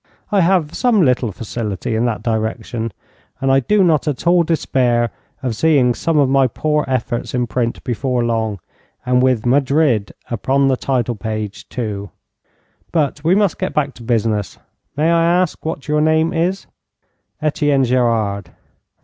I have some little facility in that direction, and I do not at all despair of seeing some of my poor efforts in print before long, and with "Madrid" upon the title page, too. But we must get back to business. May I ask what your name is?' 'Etienne Gerard.'